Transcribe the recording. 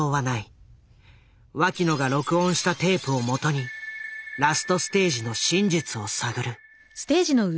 脇野が録音したテープを基にラストステージの真実を探る。